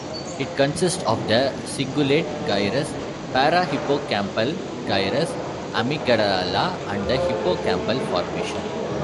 It consists of the cingulate gyrus, parahippocampal gyrus, amygdala and the hippocampal formation.